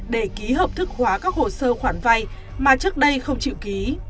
để ký hợp thức hóa các hồ sơ khoản vay mà trước đây không chịu ký